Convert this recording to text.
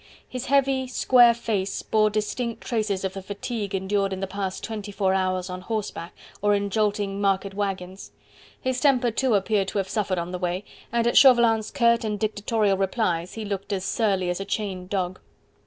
His heavy, square face bore distinct traces of the fatigue endured in the past twenty four hours on horseback or in jolting market waggons. His temper too appeared to have suffered on the way, and, at Chauvelin's curt and dictatorial replies, he looked as surly as a chained dog.